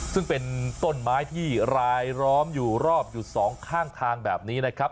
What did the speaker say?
ซึ่งเป็นต้นไม้ที่รายล้อมอยู่รอบอยู่สองข้างทางแบบนี้นะครับ